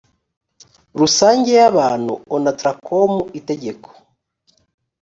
rusange y abantu onatracom itegeko